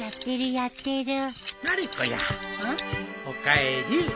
おかえり。